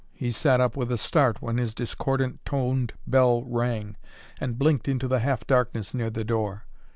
He sat up with a start when his discordant toned bell rang, and blinked into the half darkness near the door.